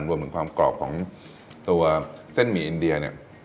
รวมถึงความกรอบของเซ่นหมีอินเดีย